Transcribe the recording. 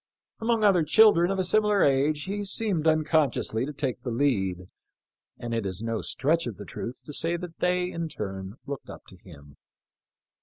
Among other children of a similar age he seemed unconsciously to take the lead, and it is no stretch of the truth to say that they, in turn, looked up to him.